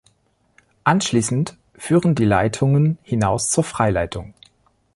Anschließend führen die Leitungen hinaus zur Freileitung.